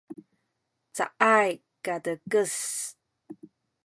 caay katekes